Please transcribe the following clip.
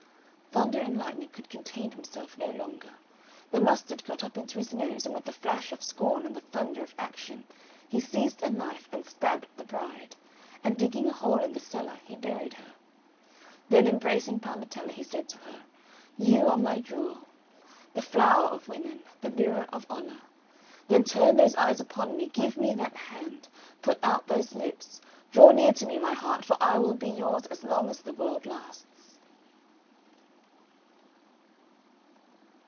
Thunder and Lightning could contain himself no longer; the mustard got up into his nose, and with the flash of scorn and the thunder of action, he seized a knife and stabbed the bride, and digging a hole in the cellar he buried her. Then embracing Parmetella he said to her, "You are my jewel, the flower of women, the mirror of honour! Then turn those eyes upon me, give me that hand, put out those lips, draw near to me, my heart! for I will be yours as long as the world lasts."